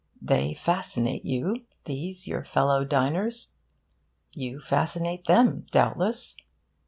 They fascinate you, these your fellow diners. You fascinate them, doubtless.